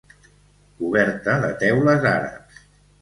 Coberta de teules àrabs.